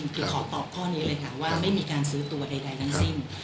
คือขอตอบข้อนี้เลยค่ะว่าไม่มีการซื้อตัวใดทั้งสิ้น